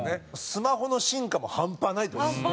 スマホの進化も半端ないって事ですよね。